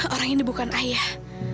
orang ini bukan ayah